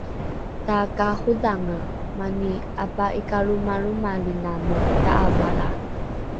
takaarodhange mani apa’ikalromalromaliname ta’avalra